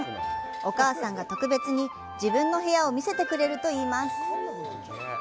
お母さんが特別に自分の部屋を見せてくれるといいます。